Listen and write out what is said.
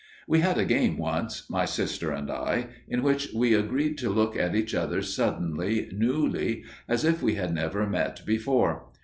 We had a game once, my sister and I, in which we agreed to look at each other suddenly, newly, as if we had never met before.